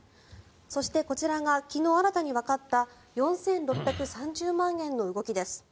そしてこちらが昨日、新たにわかった４６３０万円の動きです。